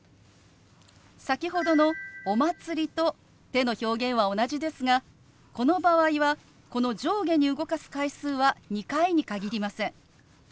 先ほどの「お祭り」と手の表現は同じですがこの場合はこの上下に動かす回数は２回に限りません。